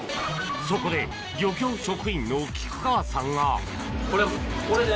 そこで漁協職員の菊川さんがこれこれで。